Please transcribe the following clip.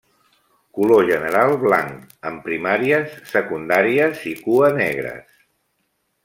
Color general blanc, amb primàries, secundàries i cua negres.